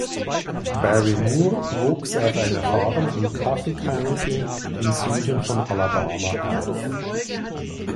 Barry Moore wuchs auf einer Farm im Coffee County im Süden von Alabama auf.